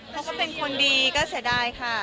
เขาก็เป็นคนดีก็เสียดายค่ะ